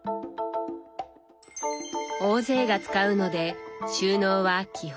大勢が使うので収納は基本オープン。